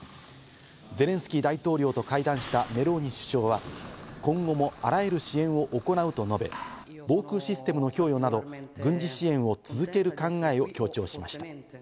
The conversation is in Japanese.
ゼレンスキー大統領と会談したメローニ首相は、今後もあらゆる支援を行うと述べ、防空システムの供与など軍事支援を続ける考えを強調しました。